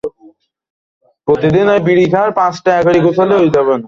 চীন ও নেপালের আন্তর্জাতিক সীমান্ত এভারেস্ট পর্বতের শীর্ষবিন্দু দিয়ে গেছে।